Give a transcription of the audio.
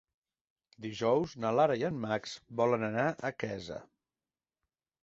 Dijous na Lara i en Max volen anar a Quesa.